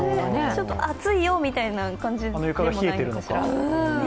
ちょっと暑いよみたいな感じでもないのかしら？